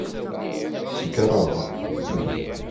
Sekṛeɣ.